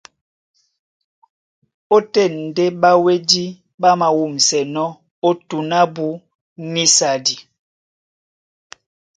Ótên ndé ɓáwédí ɓá māwûmsɛnɔ́ ó tǔn ábú nísadi.